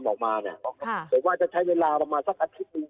หรือว่าจะใช้เวลามาสักอาทิตย์